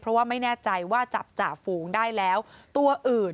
เพราะว่าไม่แน่ใจว่าจับจ่าฝูงได้แล้วตัวอื่น